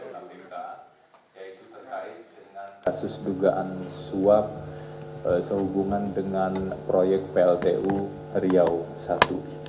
yaitu terkait dengan kasus dugaan suap sehubungan dengan proyek pltu riau i